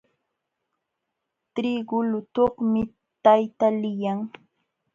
Trigu lutuqmi tayta liyan.